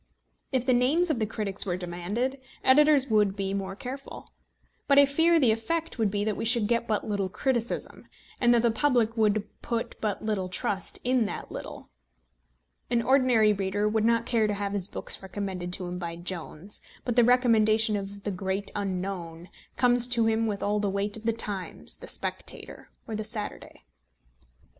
If the names of the critics were demanded, editors would be more careful. But I fear the effect would be that we should get but little criticism, and that the public would put but little trust in that little. An ordinary reader would not care to have his books recommended to him by Jones; but the recommendation of the great unknown comes to him with all the weight of the Times, the Spectator, or the Saturday.